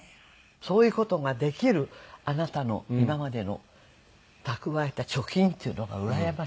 そういう事ができるあなたの今までの蓄えた貯金っていうのがうらやましい。